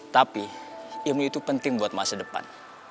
tapi ilmu itu penting buat masa depan